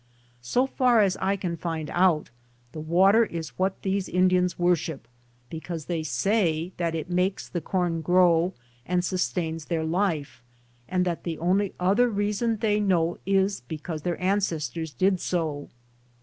So far as I can find out, the water is what these Indians worship, because they say that it makes the corn grow and sustains their life, and that the only other reason they know is because their ancestors did so.